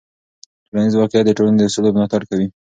ټولنیز واقیعت د ټولنې د اصولو ملاتړ کوي.